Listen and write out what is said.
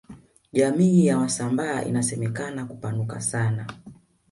jamii ya wasambaa inasemekana kupanuka sana